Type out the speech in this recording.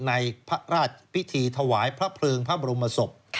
ในพระราชพิธีถวายพระเพลิงพระบรมศพ